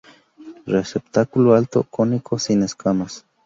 Receptáculo alto, cónico, sin escamas.